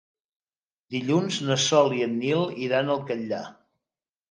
Dilluns na Sol i en Nil iran al Catllar.